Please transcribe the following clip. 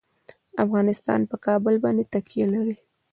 افغانستان په کابل باندې تکیه لري.